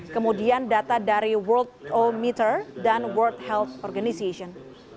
kemudian data dari world all meter dan world health organization